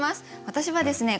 私はですね